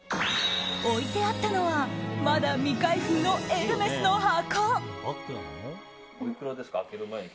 置いてあったのはまだ未開封のエルメスの箱。